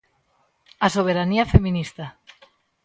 A soberanía feminista.